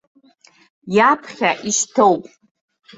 Иаԥхьа ишьҭоуп.